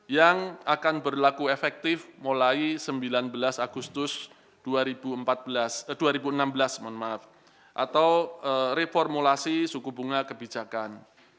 yang akan berlaku efektif mulai sembilan belas agustus dua ribu enam belas mohon maaf atau reformulasi suku bunga kebijakan